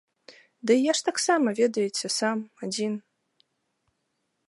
Ды я ж таксама, ведаеце, сам, адзін.